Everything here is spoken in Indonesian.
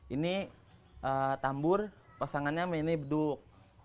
ini tambur pasangannya mini beduk